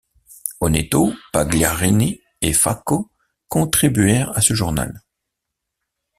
Oneto, Pagliarini et Facco contribuèrent à ce journal.